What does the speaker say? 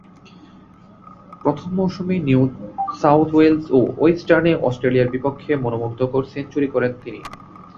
প্রথম মৌসুমে New South Wales ও ওয়েস্টার্ন অস্ট্রেলিয়ার বিপক্ষে মনোমুগ্ধকর সেঞ্চুরি করেন তিনি।